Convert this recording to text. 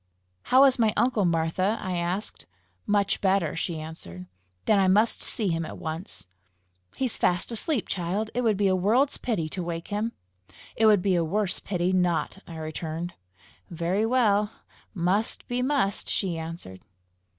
"How is my uncle, Martha?" I said. "Much better," she answered. "Then I must see him at once!" "He's fast asleep, child! It would be a world's pity to wake him!" "It would be a worse pity not!" I returned. "Very well: must be must!" she answered.